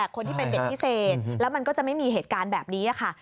คนที่เป็นเด็กพิเศษแล้วมันก็จะไม่มีเหตุการณ์แบบนี้ค่ะ